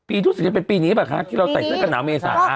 ปีทุกสิทธิ์เป็นปีนี้หรือเปล่าคะที่เราใส่เสื้อกันหนาวเมษา